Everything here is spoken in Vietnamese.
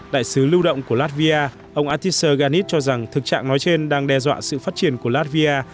đại sứ lưu động của latvia ông atiser ghanis cho rằng thực trạng nói trên đang đe dọa sự phát triển của latvia